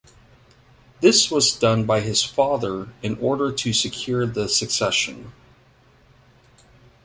This was done by his father in order to secure the succession.